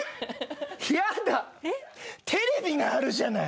やだテレビがあるじゃない。